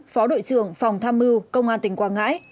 phó đội trưởng phòng tham mưu công an tỉnh quảng ngãi